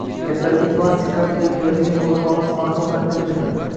Kattaligi plastik kartadek keladigan to‘laqonli smartfon taqdim etildi